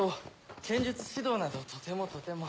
剣術指導などとてもとても。